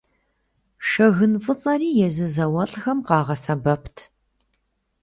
Шэгын фӏыцӏэри езы зауэлӏхэм къагъэсэбэпт.